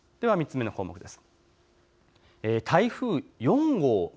では３つ目の項目です。